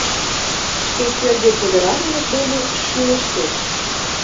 — Шке кӧргӧ пудыранымыж дене шӱлештеш.